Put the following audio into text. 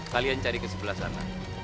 kalian cari ke sebelah sana